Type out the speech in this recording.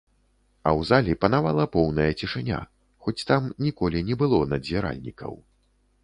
А ў залі панавала поўная цішыня, хоць там ніколі не было надзіральнікаў.